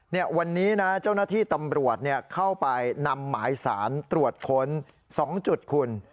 เนี่ยวันนี้นะเจ้าหน้าที่ตำรวจเข้าไปนำหมายสารตรวจค้น๒จุดคุณ